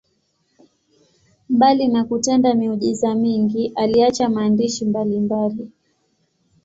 Mbali na kutenda miujiza mingi, aliacha maandishi mbalimbali.